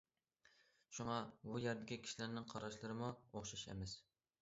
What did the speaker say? شۇڭا بۇ يەردىكى كىشىلەرنىڭ قاراشلىرىمۇ ئوخشاش ئەمەس.